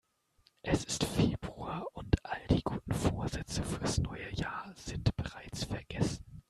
Es ist Februar und all die guten Vorsätze fürs neue Jahr sind bereits vergessen.